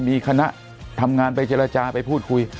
มีคณะทำงานไปเจรจาไปพูดคุย